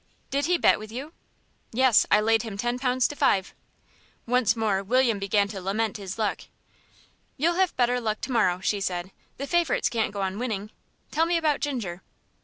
"Did he bet with you?" "Yes, I laid him ten pounds to five." Once more William began to lament his luck. "You'll have better luck to morrow," she said. "The favourites can't go on winning. Tell me about Ginger."